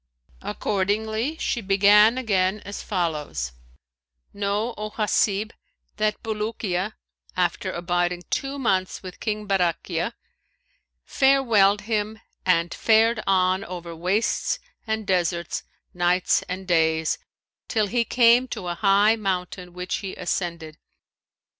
Accordingly, she began again as follows: "Know, O Hasib, that Bulukiya, after abiding two months with King Barakhiya, farewelled him and fared on over wastes and deserts nights and days' till he came to a high mountain which he ascended.